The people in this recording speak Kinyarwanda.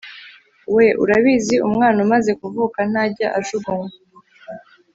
we. urabizi, umwana umaze kuvuka ntajya ajugunywa